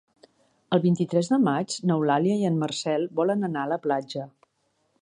El vint-i-tres de maig n'Eulàlia i en Marcel volen anar a la platja.